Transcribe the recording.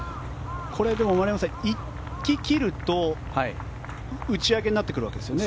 これでも丸山さん行き切ると打ち上げになってくるわけですよね。